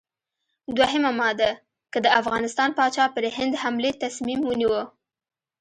دوهمه ماده: که د افغانستان پاچا پر هند حملې تصمیم ونیو.